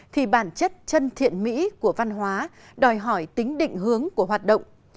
thì bản chất chân thiện mỹ của văn hóa đòi hỏi tính định hướng của hoạt động